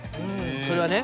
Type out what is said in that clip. それはね